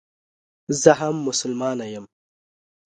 زه هم مسلمانه یم.